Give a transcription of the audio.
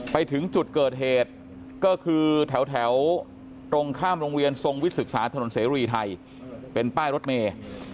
ไปถึงจุดเกิดเหตุก็คือแถวตรงข้ามโรงเรียนทรงวิทย์ศึกษาถนนเสรีไทยเป็นป้ายรถเมย์